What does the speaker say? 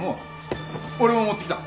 俺も持ってきた。